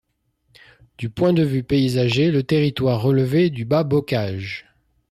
Du point de vue paysager, le territoire relevait du Bas-Bocage.